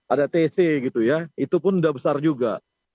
ada tc gitu ya itu pun udah besar juga